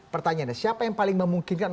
pertanyaannya siapa yang paling memungkinkan